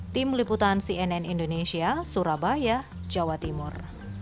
tim liputan cnn indonesia surabaya jawa timur